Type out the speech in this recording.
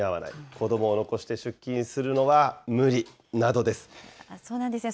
子どもを残して出勤するのは無理そうなんですよね。